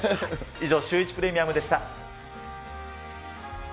以上、シューイチプレミアムでした。